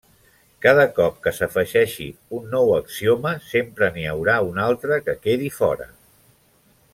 Cada cop que s'afegeixi un nou axioma sempre n'hi haurà un altre que quedi fora.